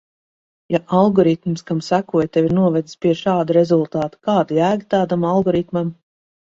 Ja algoritms, kam sekoji, tevi ir novedis pie šāda rezultāta, kāda jēga tādam algoritmam?